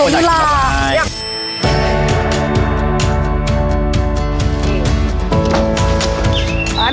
อยากเห็นนิลาอยาก